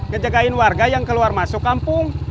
ngejagain warga yang keluar masuk kampung